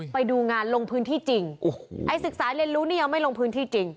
ไปดูงานลงพื้นที่จริงไอ้ศึกษาเรียนรู้นี่ยังไม่ลงพื้นที่จริง